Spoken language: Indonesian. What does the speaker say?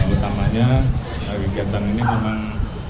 utamanya kegiatan ini memang